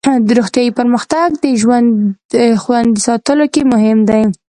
روغتیایي پرمختګ د ژوند خوندي ساتلو کې مهم دی.